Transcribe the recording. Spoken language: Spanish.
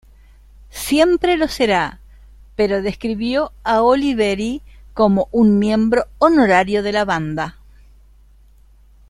Siempre lo será" pero describió a Oliveri como "un miembro honorario de la banda".